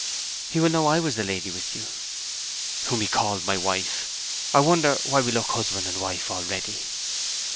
'He will know I was the lady with you!' 'Whom he called my wife. I wonder why we look husband and wife already!'